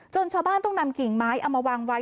ชาวบ้านต้องนำกิ่งไม้เอามาวางไว้